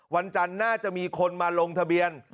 วันจันทร์น่าจะมีคนมาลงทะเบียน